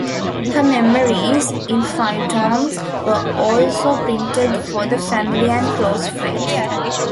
Her memoirs, in five tomes, were also printed for the family and close friends.